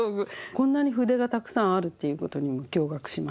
こんなに筆がたくさんあるという事にも驚がくしました。